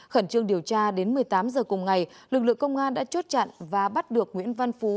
khẩn trương điều tra đến một mươi tám h cùng ngày lực lượng công an đã chốt chặn và bắt được nguyễn văn phú